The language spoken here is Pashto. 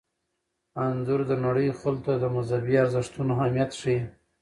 انځور د نړۍ خلکو ته د مذهبي ارزښتونو اهمیت ښيي.